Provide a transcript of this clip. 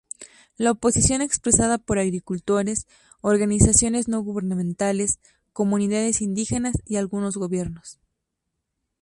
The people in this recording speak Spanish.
La oposición expresada por agricultores, organizaciones no gubernamentales, comunidades indígenas y algunos gobiernos.